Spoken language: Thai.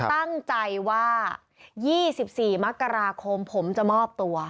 ตั้งใจว่า๒๔มกราคมผมจะมอบตัว